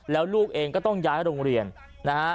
แล้วลูกเองก็ต้องย้ายโรงเรียนนะฮะ